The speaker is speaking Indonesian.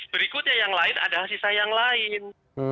berikutnya yang lain ada sisa yang lain